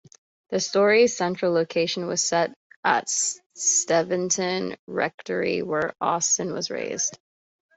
The story's central location was set at Steventon rectory where Austen was raised.